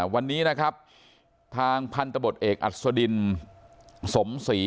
วันนี้นะครับทางพันธบทเอกอัศดินสมศรี